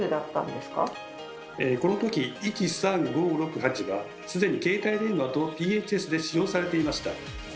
この時１・３・５・６・８は既に携帯電話とＰＨＳで使用されていました。